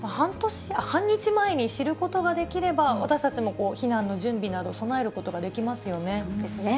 半日前に知ることができれば、私たちも避難の準備など、備えることができますよね。